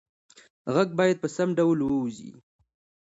غږ باید په سم ډول ووځي.